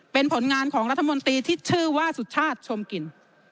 เป็นผลงานของรัฐมนตรีที่ชื่อว่าสุชาติชมกลิ่น